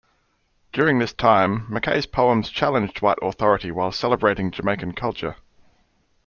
During this time, McKay's poems challenged white authority while celebrating Jamaican culture.